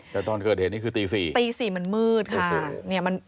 แต่ตอนเกิดเหตุนี้คือตี๔ตี๔มันมืดค่ะ